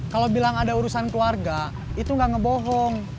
kalau bilang ada urusan keluarga itu nggak ngebohong